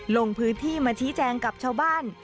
ลงพื้นที่มาชี้แจงกับชาวบ้าน